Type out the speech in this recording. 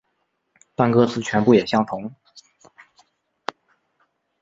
但歌词全部也相同。